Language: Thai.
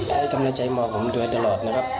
ให้กำลังใจหมอผมโดยตลอดนะครับ